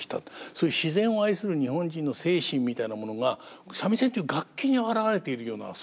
そういう自然を愛する日本人の精神みたいなものが三味線っていう楽器に表れているようなそんな感じがしますね。